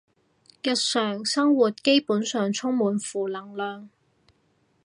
日常生活基本上充滿負能量